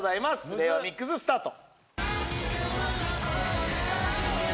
令和ミックススタート！